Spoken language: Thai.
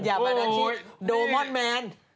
อย่าไปจังชิดโดโมนมัน